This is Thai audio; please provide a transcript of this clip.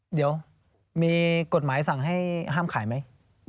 เดี๋ยวมีกฎหมายสั่งให้ห้ามขายไหม